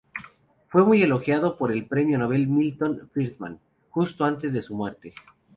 Fue muy elogiado por el premio Nobel Milton Friedman, justo antes de su muerte.